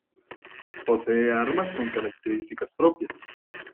Posee armas con características propias.